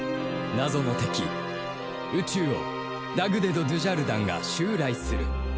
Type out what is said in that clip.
謎の敵宇蟲王ダグデド・ドゥジャルダンが襲来する